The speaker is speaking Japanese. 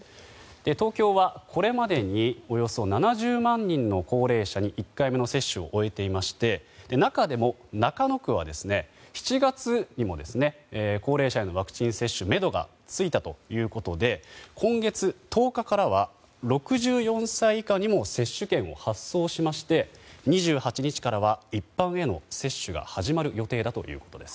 東京はこれまでにおよそ７０万人の高齢者に１回目の接種を終えていまして中でも中野区は、７月にも高齢者へのワクチン接種めどがついたということで今月１０日からは６４歳以下にも接種券を発送しまして２８日からは一般への接種が始まる予定だということです。